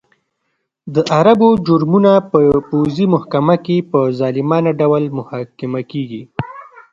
د عربو جرمونه په پوځي محکمه کې په ظالمانه ډول محاکمه کېږي.